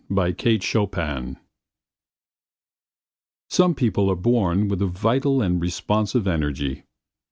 A REFLECTION Some people are born with a vital and responsive energy.